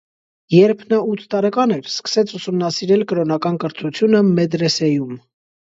Երբ նա ութ տարեկան էր, սկսեց ուսումնասիրել կրոնական կրթությունը մեդրեսեյում։